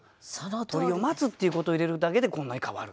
「鳥を待つ」っていうことを入れるだけでこんなに変わる。